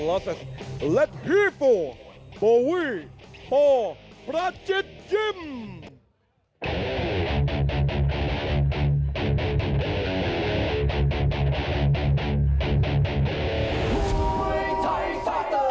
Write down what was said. ไปกันกันกันโทวินซ์โทวินซ์โทวินซ์โทวินซ์โทวินซ์